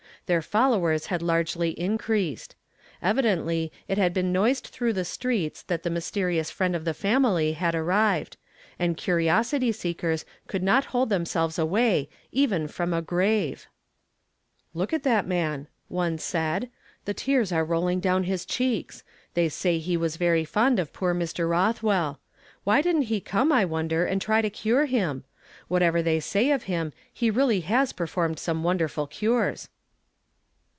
Their followers had largely increased. K\ i dently it had been noised through th^ streets that the mysterious friend of the family had arrived, and curiosity seekers could not hold themselves away, even from a grave. " Look at that man !" one said ;" the tears are rolling down his cheeks. They say he was very fond of poor Mr. RothwelL Why didn't he come, [ t "SHALL THE DEAD AIUSE?" 287 I'otlier would T wonder, and try to cnre him? Whatever they say of liini, ho really has performed some wonder ful cures."